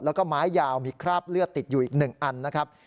แล้วก็ไม้ยาวมีคราบเลือดติดอยู่อีก๑อันนะครับ